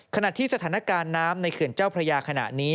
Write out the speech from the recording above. ขณะที่สถานการณ์น้ำในเขื่อนเจ้าพระยาขณะนี้